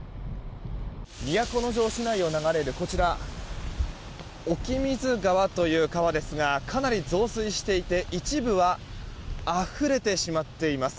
都城市内を流れるこちら沖水川という川ですがかなり増水していて一部はあふれてしまっています。